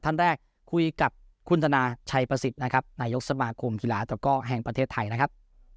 ท่านแรกคุยกับคุณธนาชัยประสิทธิ์นะครับนายกสมาคมกีฬาตะก้อแห่งประเทศไทยนะครับ